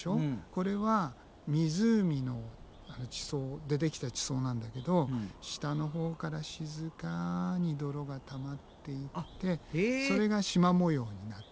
これは湖でできた地層なんだけど下のほうから静かに泥がたまっていってそれがしま模様になってるのね。